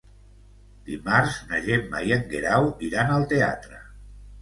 Dimarts na Gemma i en Guerau iran al teatre.